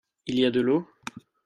Il y a de l'eau ?